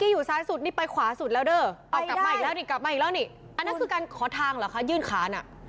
อีกแล้วนี่กลับมาอีกแล้วนี่อันนั้นคือการขอทางเหรอคะยื่นขาน่ะ